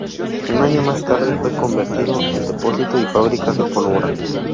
Un año más tarde fue convertido en depósito y fábrica de pólvora.